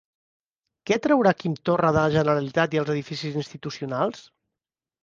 Què traurà Quim Torra de la Generalitat i els edificis institucionals?